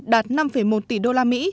đạt năm một tỷ usd